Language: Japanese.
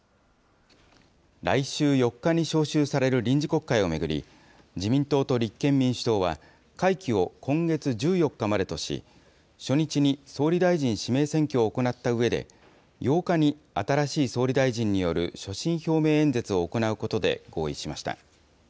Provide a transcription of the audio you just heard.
来週４日に召集される臨時国会を巡り、自民党と立憲民主党は、会期を今月１４日までとし、初日に総理大臣指名選挙を行ったうえで、８日に新しい総理大臣による所信表明演説を行うことで合意しました。